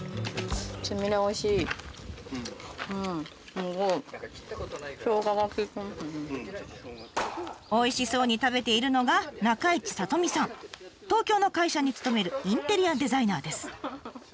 すごいおいしそうに食べているのが東京の会社に勤めるインテリアデザイナーです。